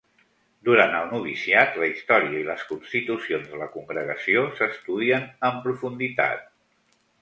Durant el noviciat la història i les Constitucions de la Congregació s'estudien en profunditat.